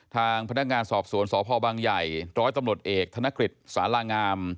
ทางพนักงานสอบสวนสพบังใหญ่จตำรวจเอกทคสลง